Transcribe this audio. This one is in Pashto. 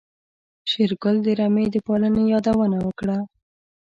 شېرګل د رمې د پالنې يادونه وکړه.